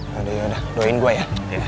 yaudah yaudah doain gue ya